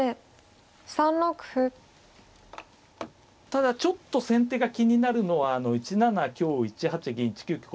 ただちょっと先手が気になるのは１七香１八銀１九香